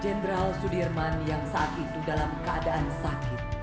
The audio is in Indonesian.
jenderal sudirman yang saat itu dalam keadaan sakit